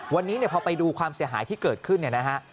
วันนี้พอไปดูความเสียหายที่เกิดขึ้น